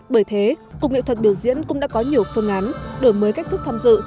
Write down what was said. bởi thế cục nghệ thuật biểu diễn cũng đã có nhiều phương án đổi mới cách thức tham dự